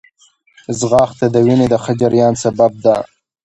ځغاسته د وینې د ښه جریان سبب ده